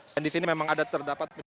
dan disini memang ada terdapat